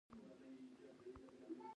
په دې غره کې ډېر ښایست پروت ده